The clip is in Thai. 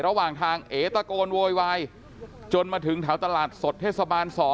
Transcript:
ระหว่างทางเอ๋ตะโกนโวยวายจนมาถึงแถวตลาดสดเทศบาล๒